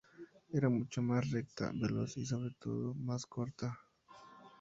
Era mucho más recta, veloz y sobre todo más corta.